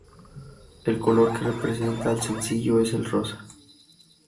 El color que representa al sencillo es el rosa.